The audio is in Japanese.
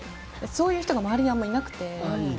そういう人が周りにあまりいなくて。